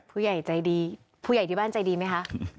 ผู้ใหญ่ใจดีผู้ใหญ่ที่บ้านใจดีไหมคะ